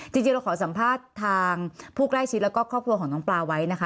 จริงเราขอสัมภาษณ์ทางผู้ใกล้ชิดแล้วก็ครอบครัวของน้องปลาไว้นะคะ